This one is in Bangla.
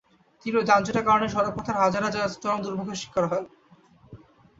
তীব্র যানজটের কারণে সড়কপথের হাজার হাজার যাত্রী চরম দুর্ভোগের শিকার হয়।